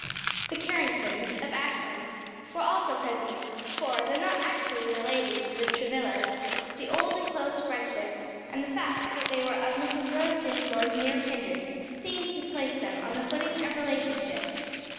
The Carringtons, of Ashlands, were also present; for, though not actually related to the Travillas, the old and close friendship, and the fact that they were of Mrs. Rose Dinsmore's near kindred, seemed to place them on the footing of relationship.